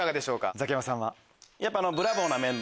ザキヤマさん。